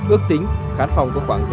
ước tính khán phòng